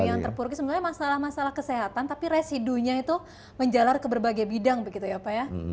yang terpuruk sebenarnya masalah masalah kesehatan tapi residunya itu menjalar ke berbagai bidang begitu ya pak ya